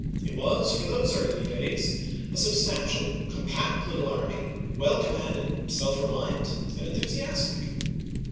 It was, for those early days, a substantial, compact little army, well com manded, self reliant, and enthusiastic.